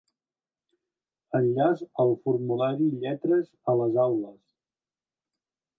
Enllaç al formulari "Lletres a les aules"